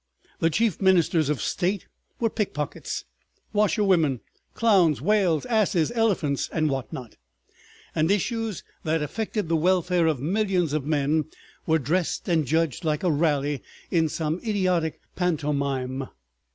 The chief ministers of state were pickpockets, washerwomen, clowns, whales, asses, elephants, and what not, and issues that affected the welfare of millions of men were dressed and judged like a rally in some idiotic pantomime.